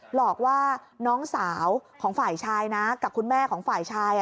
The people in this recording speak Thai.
หลอกว่าน้องสาวของฝ่ายชายนะกับคุณแม่ของฝ่ายชาย